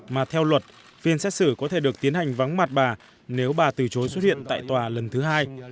mà theo luật phiên xét xử có thể được tiến hành vắng mặt bà nếu bà từ chối xuất hiện tại tòa lần thứ hai